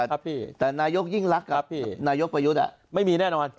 ครับพี่แต่นายกยิ่งรักครับพี่นายกประยุทธ์ไม่มีแน่นอน